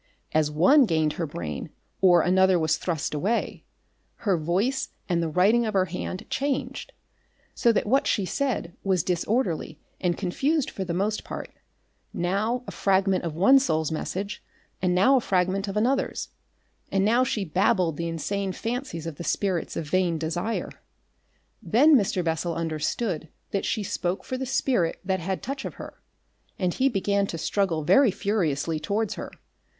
As one gained her brain or another was thrust away, her voice and the writing of her hand changed. So that what she said was disorderly and confused for the most part; now a fragment of one soul's message, and now a fragment of another's, and now she babbled the insane fancies of the spirits of vain desire. Then Mr. Bessel understood that she spoke for the spirit that had touch of her, and he began to struggle very furiously towards her.